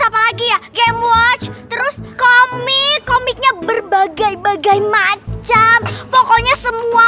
apa lagi ya game watch terus komik komiknya berbagai bagai macam pokoknya semua